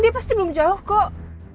dia pasti belum jauh kok